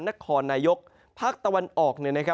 นะครนายกพรตะวันออก